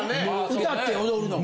歌って踊るのが？